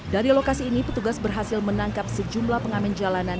dari lokasi ini petugas berhasil menangkap sejumlah pengamen jalanan